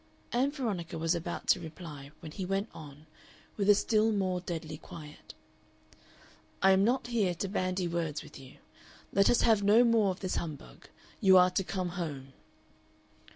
Ann Veronica was about to reply, when he went on, with a still more deadly quiet: "I am not here to bandy words with you. Let us have no more of this humbug. You are to come home."